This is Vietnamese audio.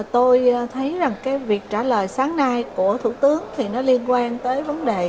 tôi thấy việc trả lời sáng nay của thủ tướng liên quan tới vấn đề